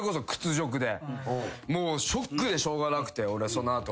ショックでしょうがなくて俺その後。